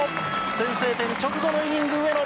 先制点直後のイニング上野